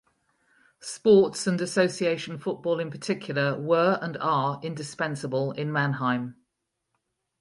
Sports and association football in particular were and are indispensable in Mannheim.